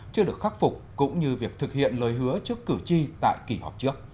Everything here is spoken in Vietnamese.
chưa được khắc phục cũng như việc thực hiện lời hứa trước cử tri tại kỳ họp trước